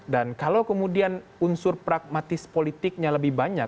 dan kalau kemudian unsur pragmatis politiknya lebih banyak